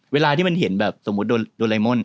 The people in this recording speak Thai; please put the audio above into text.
เวลาที่มันเห็นแบบสมมุติโดไลมอน